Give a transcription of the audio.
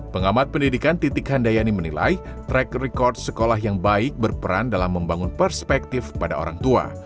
pengamat pendidikan titik handayani menilai track record sekolah yang baik berperan dalam membangun perspektif pada orang tua